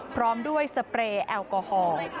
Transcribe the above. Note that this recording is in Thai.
พร้อมด้วยสเปรย์แอลกอฮอล์